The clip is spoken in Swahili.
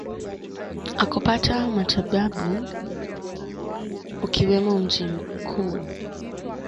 akopata matibabu ukiwemo mji mkuu